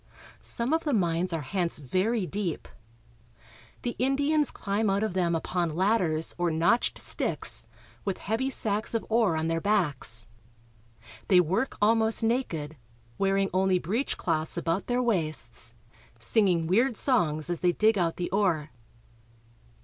Some of the mines are hence very deep. The Indians climb out of them upon ladders or notched sticks, with heavy sacks of ore on their backs. They work almost naked, wearing only breechcloths about their waists, singing weird songs as they dig out the ore.